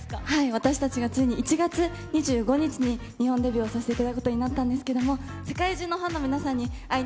私たちがついに１月２５日に日本デビューをさせていただくことになったんですけれども、世界中のファンの皆さんに会いに